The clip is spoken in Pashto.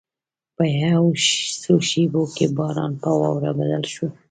په یو څو شېبو کې باران په واوره بدل شو.